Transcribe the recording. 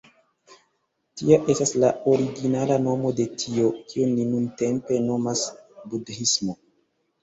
Tia estas la originala nomo de tio, kion ni nuntempe nomas budhismo.